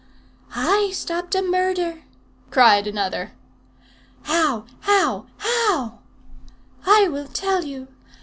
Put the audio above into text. "I stopped a murder," cried another. "How? How? How?" "I will tell you.